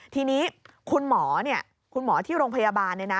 ทีนี้คุณหมอคุณหมอที่โรงพยาบาลเนี่ยนะ